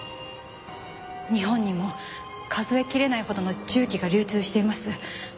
日本にも数えきれないほどの銃器が流通しています。